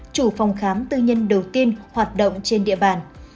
chủ phòng khám tư nhân đầu tiên hoạt động trên địa bàn